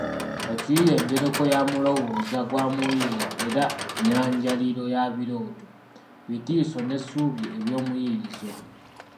Ekiyiiye njoleko ya mulowooza gwa muyiiya era nnyanjaliro ya birooto, bitiiso n’essuubi eby’omuyiiyizwa